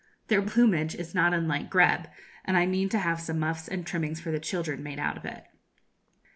Their plumage is not unlike grebe, and I mean to have some muffs and trimmings for the children made out of it.